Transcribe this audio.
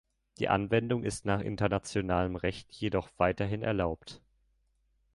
Die Anwendung ist nach internationalem Recht jedoch weiterhin erlaubt.